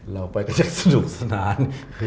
เราไปก็จะสนุกสนาน